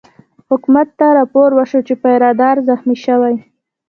حکومت ته رپوټ وشو چې پیره دار زخمي شوی.